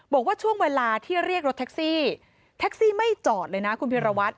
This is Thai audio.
บอกว่าช่วงเวลาที่เรียกรถแท็กซี่แท็กซี่ไม่จอดเลยนะคุณพิรวัตร